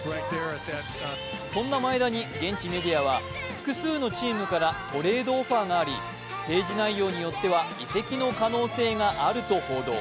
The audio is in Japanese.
そんな前田に現地メディアは複数のチームからトレードオファーがあり提示内容によっては移籍の可能性があると報道。